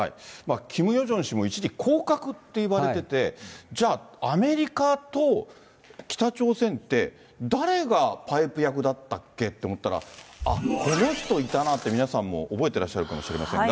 キム・ヨジョン氏も一時、降格って言われてて、じゃあ、アメリカと北朝鮮って、誰がパイプ役だったっけって思ったら、あっ、この人いたなって、皆さんも覚えてらっしゃると思いますが。